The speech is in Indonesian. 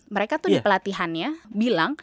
mereka tuh di pelatihannya bilang